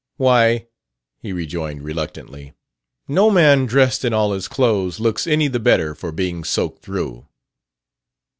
"Why," he rejoined reluctantly, "no man, dressed in all his clothes, looks any the better for being soaked through."